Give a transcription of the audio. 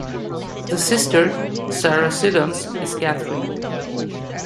The sister, Sarah Siddons, is Katherine.